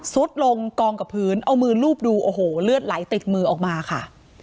สุดลงกองกับพื้นเอามือลูบดูโอ้โหเลือดไหลติดมือออกมาค่ะ